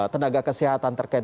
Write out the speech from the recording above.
tenaga kesehatan terkait